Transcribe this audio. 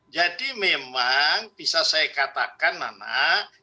jadi memang bisa saya katakan anak